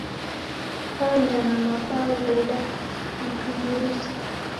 Oenda na mabao redu na kariuza